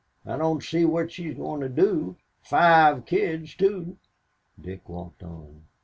I don't see what she is going to do, five kids too." Dick walked on.